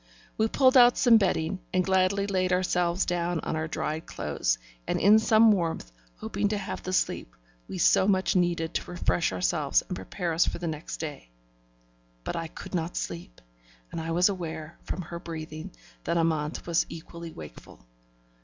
We pulled out some bedding, and gladly laid ourselves down in our dried clothes and in some warmth, hoping to have the sleep we so much needed to refresh us and prepare us for the next day. But I could not sleep, and I was aware, from her breathing, that Amante was equally wakeful.